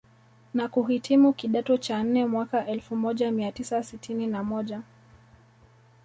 Na kuhitimu kidato cha nne mwaka elfu moja mia tisa sitini na moja